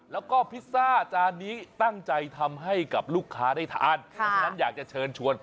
แล้วก็พิซซ่าจานนี้ตั้งใจทำให้กับลูกค้าได้ทานเพราะฉะนั้นอยากจะเชิญชวน